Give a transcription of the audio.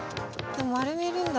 丸めるんだ。